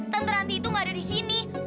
tante ranti tuh gak ada disini